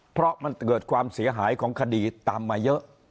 เพราะมันเกิดความเสียหายของคดีตามมาเยอะ